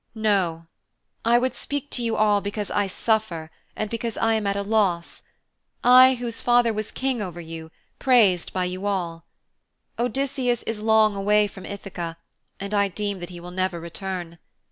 No. I would speak to you all because I suffer and because I am at a loss I, whose father was King over you, praised by you all. Odysseus is long away from Ithaka, and I deem that he will never return.